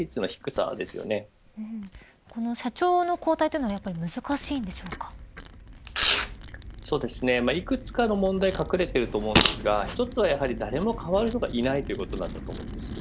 ただ問題だと思うのはこの社長の交代というのはいくつかの問題が隠れていると思いますが１つは誰も代わる人がいないということだと思います。